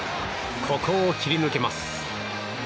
ここを切り抜けます。